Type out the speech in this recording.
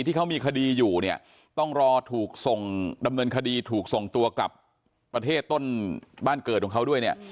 ที่เขามีคดีอยู่ต้องรอดำเนินคดีถูกส่งตัวกับประเทศต้นบ้านเกิดของเขาด้วย